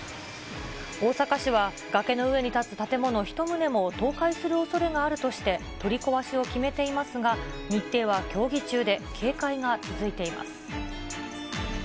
大阪市は崖の上に建つ建物１棟も倒壊するおそれがあるとして、取り壊しを決めていますが、日程は協議中で、警戒が続いています。